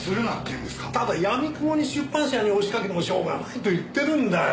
ただやみくもに出版社に押しかけてもしょうがないと言ってるんだよ。